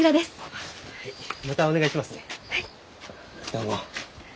どうも。